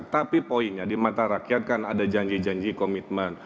tapi poinnya di mata rakyat kan ada janji janji komitmen